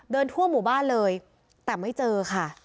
ทั่วหมู่บ้านเลยแต่ไม่เจอค่ะ